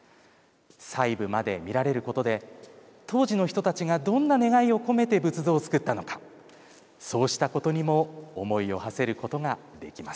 細部まで見られることで当時の人たちがどんな願いを込めて仏像を作ったのかそうしたことにも思いをはせることができます。